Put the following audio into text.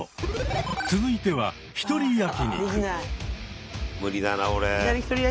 続いては「ひとり焼き肉」。